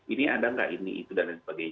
ini ada nggak ini itu dan lain sebagainya